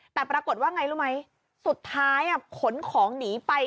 แต่ปรากฏว่าไงรู้ไหมสุดท้ายขนของหนีไป